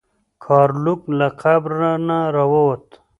ګارلوک له قبر نه راووت.